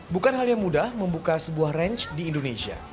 bukan hal yang mudah membuka sebuah range di indonesia